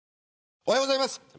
おはようございます。